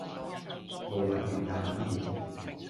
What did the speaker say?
路很遠也很熱